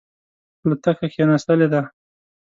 الوتکه کښېنستلې ده.